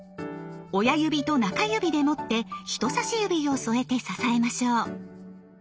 親指と中指で持って人さし指を添えて支えましょう。